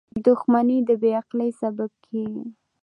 • دښمني د بې عقلی سبب کېږي.